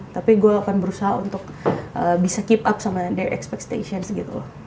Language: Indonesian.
tapi gue akan berusaha untuk bisa keep up sama the expectations gitu loh